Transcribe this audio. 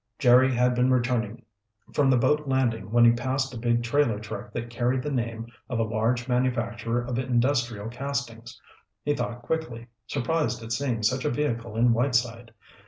Jerry had been returning from the boat landing when he passed a big trailer truck that carried the name of a large manufacturer of industrial castings. He thought quickly, surprised at seeing such a vehicle in Whiteside.